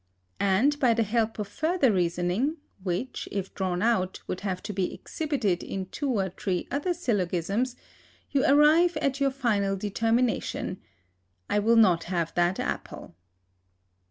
And, by the help of further reasoning, which, if drawn out, would have to be exhibited in two or three other syllogisms, you arrive at your final determination, "I will not have that apple."